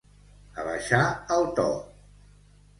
Abaixar el to.